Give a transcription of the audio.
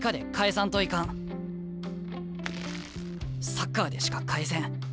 サッカーでしか返せん。